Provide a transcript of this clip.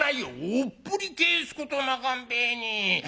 「おっぽり返すことなかんべえに。